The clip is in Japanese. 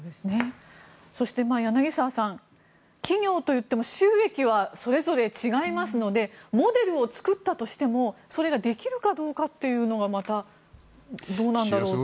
そして柳澤さん企業といっても収益はそれぞれ違いますのでモデルを作ったとしてもそれができるかどうかというのがまたどうなんだろうと。